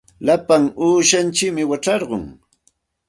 Lapa uushantsikmi wacharqun.